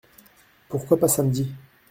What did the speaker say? Pourquoi pas samedi ?